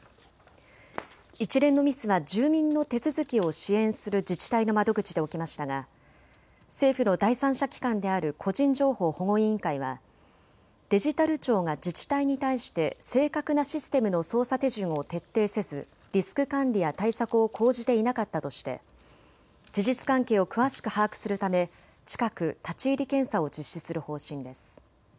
一連のミスは住民の手続きを支援する自治体の窓口で起きましたが政府の第三者機関である個人情報保護委員会はデジタル庁が自治体に対して正確なシステムの操作手順を徹底せずリスク管理や対策を講じていなかったとして事実関係を詳しく把握するため近く立ち入り検査を実施する方針です。